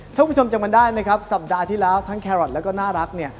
ท่านผู้ชมจำกันได้ไหมครับสัปดาห์ที่แล้วทั้งแครอทแล้วก็น่ารักเนี่ย